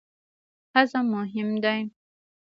هضم مهم دی.